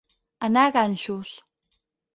Anar a ganxos.